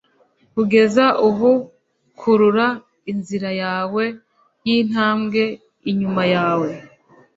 Kugeza ubu, kurura inzira yawe yintambwe inyuma yawe